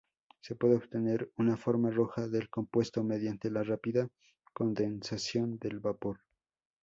Se puede obtener una forma roja del compuesto mediante la rápida condensación del vapor.